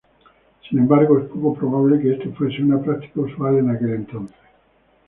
Sin embargo, es poco probable que esto fuese una práctica usual en aquel entonces.